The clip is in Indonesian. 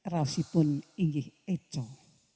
rauh si pun ingih ecok